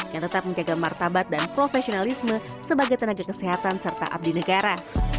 yang tetap menjaga martabat dan profesionalisme sebagai tenaga kesehatan serta abdi negara